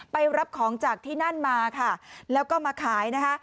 ไปรับของจากที่นั่นมาค่ะแล้วก็มาขายนะคะ